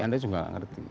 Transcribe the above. anda juga gak ngerti